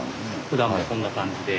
ふだんはこんな感じで。